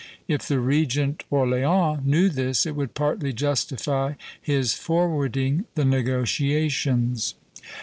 If the Regent Orleans knew this, it would partly justify his forwarding the negotiations.